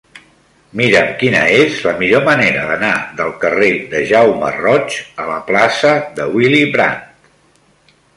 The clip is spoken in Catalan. Mira'm quina és la millor manera d'anar del carrer de Jaume Roig a la plaça de Willy Brandt.